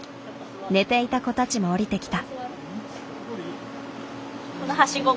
寝ていた子たちも降りてきた。